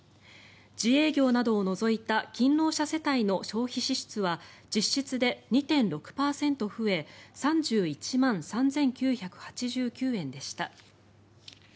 自営業などを除いた勤労者世帯の消費支出は実質で２．６％増え３１万３９８９円でした。